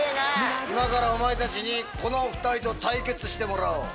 今からお前たちにこの２人と対決してもらおう。